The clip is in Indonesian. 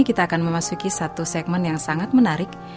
kita akan memasuki satu segmen yang sangat menarik